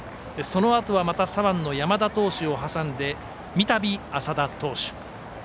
そのあとはまた左腕の山田投手を挟んで三度、麻田投手。